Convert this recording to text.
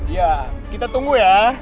iya kita tunggu ya